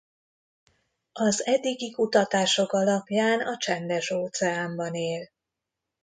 Az eddigi kutatások alapján a Csendes-óceánban él.